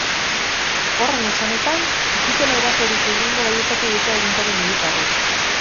Horren esanetan, ez dutela erasorik egingo baieztatu dute agintari militarrek.